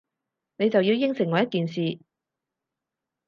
你就要應承我一件事